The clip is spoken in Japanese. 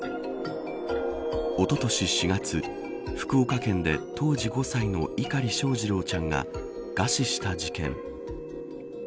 おととし４月、福岡県で当時５歳の碇翔士郎ちゃんが餓死した事件。